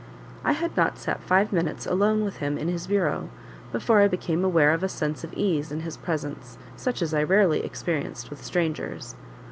I had not sat five minutes alone with him in his bureau, before I became aware of a sense of ease in his presence, such as I rarely experienced with strangers.